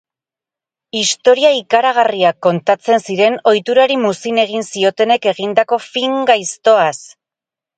Historia ikaragarriak kontatzen ziren ohiturari muzin egin ziotenek egindako fin gaiztoaz.